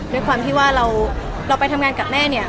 ด้วยความที่ว่าเราไปทำงานกับแม่เนี่ย